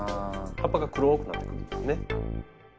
葉っぱが黒くなってくるんですね。